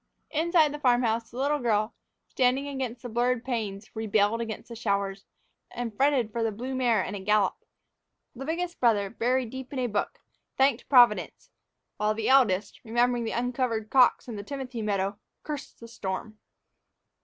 Inside the farm house, the little girl, standing against the blurred panes, rebelled against the showers, and fretted for the blue mare and a gallop; the biggest brother, buried deep in a book, thanked Providence; while the eldest, remembering the uncovered cocks in the timothy meadow, cursed the storm.